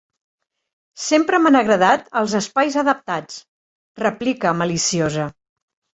Sempre m'han agradat els espais adaptats —replica maliciosa.